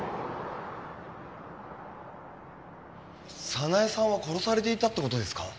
早苗さんは殺されていたって事ですか？